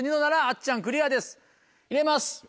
入れます。